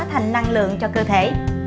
thành năng lượng cho cơ thể